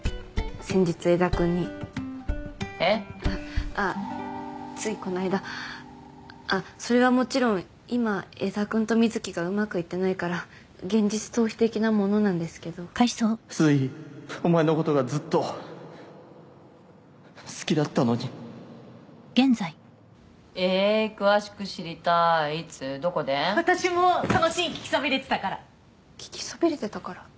先日江田君に「えっ？」あっついこないだあっそれはもちろん今江田君と瑞貴がうまくいってないから現実逃避的なものなんですけどすいお前のことがずっと好きだったのに「ええー詳しく知りたいいつ？どこで？」私もそのシーン聞きそびれてたから「聞きそびれてたから」？